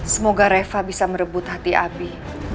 semoga reva bisa merebut hati abi